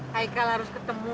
haikal harus ketemu